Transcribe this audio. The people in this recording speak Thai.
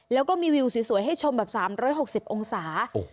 แล้วก็มีวิวสวยให้ชมแบบ๓๖๐องศา